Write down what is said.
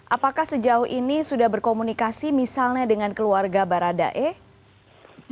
apakah sejauh ini sudah berkomunikasi misalnya dengan keluarga baradae